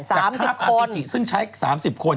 จากทราบอาทิตย์ซึ่งใช้๓๐คน